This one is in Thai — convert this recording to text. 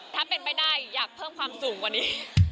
ถ้าเป็นไม่ได้อยากเพิ่มความสูงกว่านี้